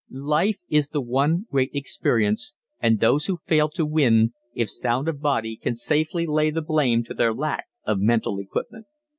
Life is the one great experience, and those who fail to win, if sound of body, can safely lay the blame to their lack of mental equipment.